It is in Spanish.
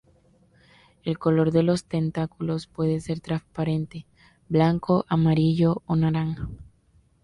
El color de los tentáculos puede ser transparente, blanco, amarillo o naranja.